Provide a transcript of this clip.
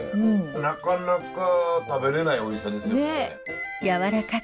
なかなか食べれないおいしさですよね。